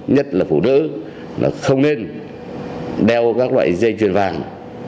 nhất là phụ nữ là không nên đeo các loại dây chuyền vàng